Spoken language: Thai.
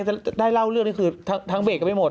จะได้เล่าเรื่องทั้งเบรคไม่หมด